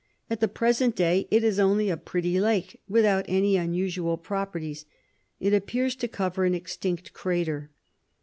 At the present day it is only a pretty lake, without any unusual properties. It appears to cover an extinct crater.